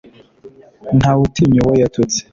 Ntawe utinya uwo yatutse.